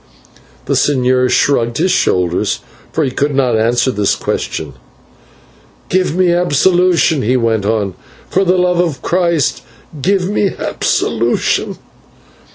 The señor shrugged his shoulders, for he could not answer this question. "Give me absolution," he went on, "for the love of Christ, give me absolution."